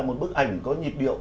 một bức ảnh có nhịp điệu